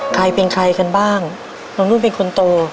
ใครเป็นใครกันบ้างน้องนุ่นเป็นคนโต